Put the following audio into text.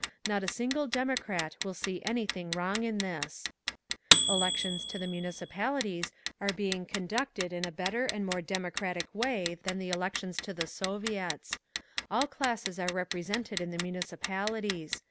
Not a single democrat will see anything wrong in this…. "… Elections to the Municipalities are being conduct in a better and more democratic way than the elections to the Soviets… All classes are represented in the Municipalities….